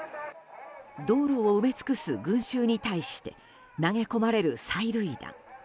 道路を埋め尽くす群衆に対して投げ込まれる催涙弾。